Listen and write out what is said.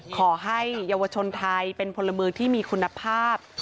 ขอให้เยาวชนไทยเป็นพลเมืองที่มีคุณภาพ